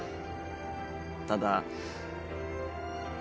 ただ。